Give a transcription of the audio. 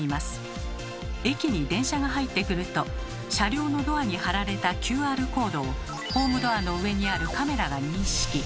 駅に電車が入ってくると車両のドアに貼られたＱＲコードをホームドアの上にあるカメラが認識。